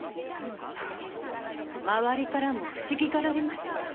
周りからも不思議がられました。